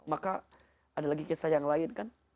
maka ada lagi kisah yang lain kan